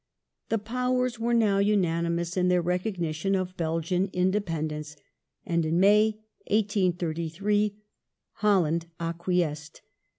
The Powei*s were now unani mous in their recognition of Belgian independence, and in May, 1833, Holland acquiesced.